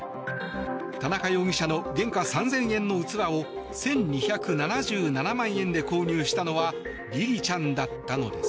田中容疑者の原価３０００円の器を１２７７万円で購入したのはりりちゃんだったのです。